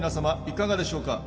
いかがでしょうか？